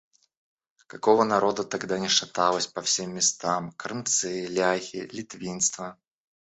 Какого народу тогда не шаталось по всем местам: крымцы, ляхи, литвинство!